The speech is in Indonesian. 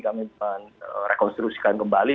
kami rekonstruisikan kembali